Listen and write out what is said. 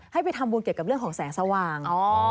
ให้ไปทำบุญเกี่ยวกับเรื่องของแสงสว่าง